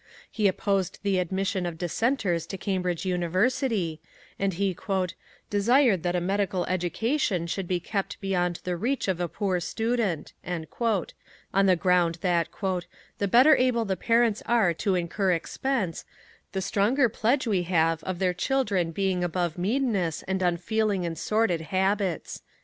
He opposed the admission of Dissenters to Cambridge University, and he "desired that a medical education should be kept beyond the reach of a poor student," on the ground that "the better able the parents are to incur expense, the stronger pledge have we of their children being above meanness and unfeeling and sordid habits."